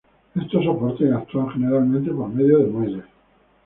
Estos soportes actúan generalmente por medio de muelles.